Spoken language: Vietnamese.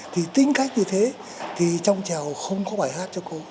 thì tính cách như thế thì trong trèo không có bài hát cho cô